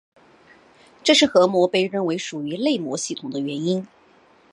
这是核膜被认为属于内膜系统的原因。